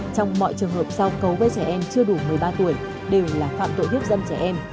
trong mọi trường hợp giao cấu với trẻ em chưa đủ một mươi ba tuổi đều là phạm tội hiếp dâm trẻ em